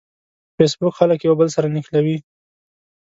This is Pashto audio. فېسبوک خلک یو بل سره نښلوي